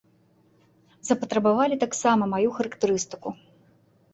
Запатрабавалі таксама маю характарыстыку.